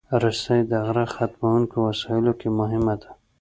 رسۍ د غر ختونکو وسایلو کې مهمه ده.